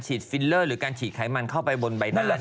ที่นั่งหลังเที่ยงคืน